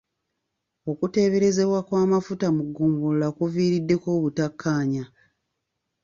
Okuteeberezebwa kw'amafuta mu ggombolola kuviiriddeko obutakkaanya.